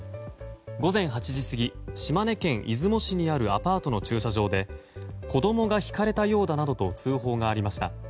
午前８時過ぎ島根県出雲市にあるアパートの駐車場で子供がひかれたようだなどと通報がありました。